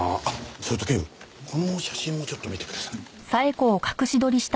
それと警部この写真もちょっと見てください。